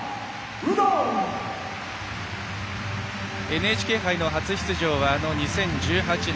ＮＨＫ杯の初出場は２０１８年。